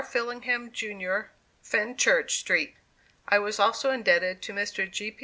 Fillingham, Jr., Fenchurch Street. I was also indebted to Mr. G. P.